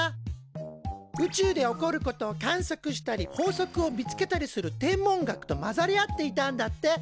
宇宙で起こることを観測したり法則を見つけたりする天文学と混ざり合っていたんだって。